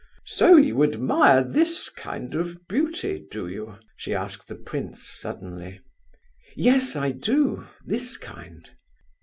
So you admire this kind of beauty, do you?" she asked the prince, suddenly. "Yes, I do—this kind."